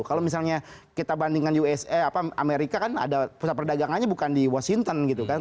kalau misalnya kita bandingkan usa amerika kan ada pusat perdagangannya bukan di washington gitu kan